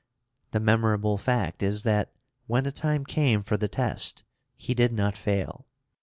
The memorable fact is that, when the time came for the test, he did not fail.